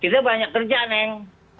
kita banyak kerja neng